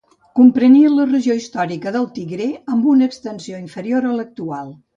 Comprenia la regió històrica del Tigré amb una extensió inferior a l'actual.